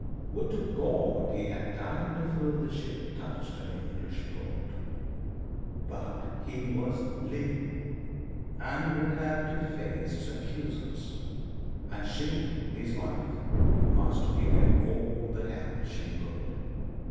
Would to God he had died before the ship touched an English port. But he was living, and would have to face his accusers and she, his wife, must give him all the help she could.